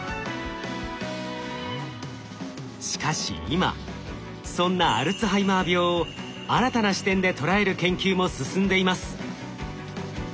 しかし今そんなアルツハイマー病を新たな視点で捉える研究も進んでいます。